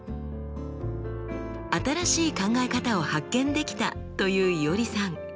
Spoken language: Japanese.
新しい考え方を発見できたといういおりさん。